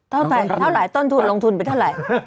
เท่าไหร่ต้นลงทุนไปเท่าไหร่